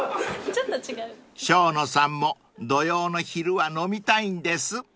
［生野さんも土曜の昼は飲みたいんです］